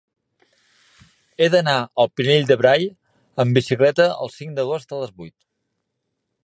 He d'anar al Pinell de Brai amb bicicleta el cinc d'agost a les vuit.